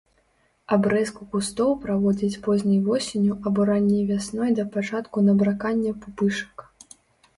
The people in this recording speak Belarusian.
Абрэзку кустоў праводзяць позняй восенню або ранняй вясной да пачатку набракання пупышак.